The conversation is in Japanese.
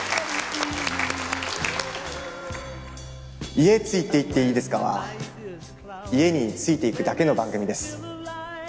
『家、ついて行ってイイですか？』は家について行くだけの番組です。